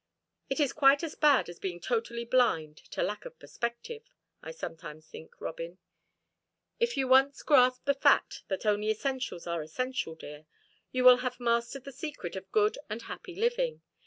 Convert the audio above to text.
It is quite as bad as being totally blind to lack perspective, I sometimes think, Robin. If you once grasp the fact that only essentials are essential, dear, you will have mastered the secret of good and happy living.